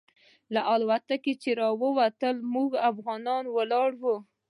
له الوتکې چې ووتلو موږ افغانان ولاړ وو.